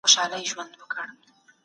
موږ د سولي له پاره خپل ږغ پورته کړ.